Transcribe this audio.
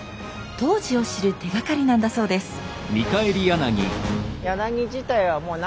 当時を知る手がかりなんだそうです。